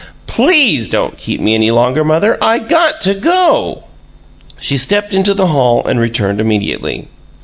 PLEASE don't keep me any longer, mother I GOT to go!" She stepped into the hall and returned immediately.